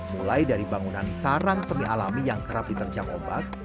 mulai dari bangunan sarang seni alami yang kerap diterjang ombak